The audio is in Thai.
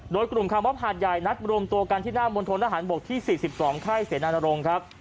โดยกลุ่มคาร์มอบหาดใหญ่นัดรวมตัวกันที่หน้ามณฑนทหารบกที่๔๒ค่ายเสนานรงค์ครับ